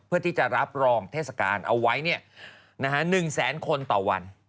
เพื่อที่จะรับรองเทศกาลเอาไว้๑แสนคนต่อวัน